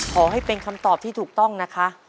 ขอให้เป็นคำตอบที่ถูกต้องนะคะ